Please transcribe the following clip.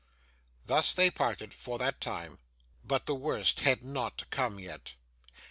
Thus they parted, for that time; but the worst had not come yet.